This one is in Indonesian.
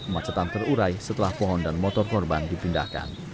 macetan terurai setelah pohon dan motor korban dipindahkan